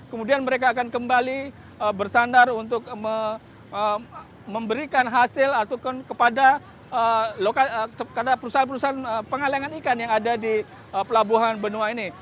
kemudian mereka akan kembali bersandar untuk memberikan hasil ataupun kepada perusahaan perusahaan pengalangan ikan yang ada di pelabuhan benoa ini